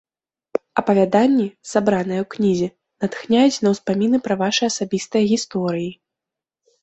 Апавяданні, сабраныя ў кнізе, натхняюць на ўспаміны пра вашы асабістыя гісторыі.